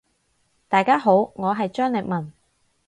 大家好，我係張力文。